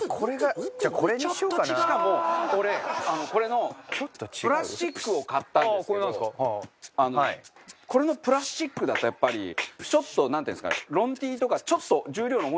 しかも俺これのプラスチックを買ったんですけどこれのプラスチックだとやっぱりちょっとなんていうんですかね。